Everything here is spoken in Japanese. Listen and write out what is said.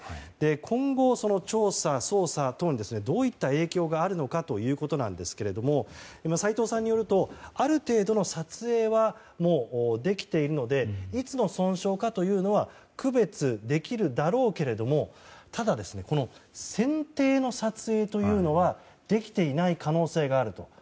今後、調査・捜査等にどういった影響があるのかですが斎藤さんによるとある程度の撮影はもうできているのでいつの損傷かというのは区別できるだろうけれどもただ、船底の撮影というのはできていない可能性があると。